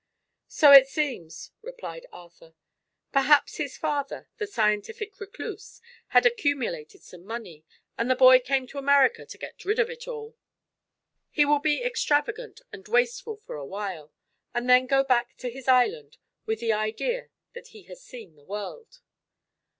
"So it seems," replied Arthur. "Perhaps his father, the scientific recluse, had accumulated some money, and the boy came to America to get rid of it. He will be extravagant and wasteful for awhile, and then go back to his island with the idea that he has seen the world."